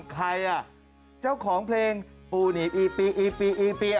ใครอ่ะเจ้าของเพลงปูหนีบอีปีอีปีอีปี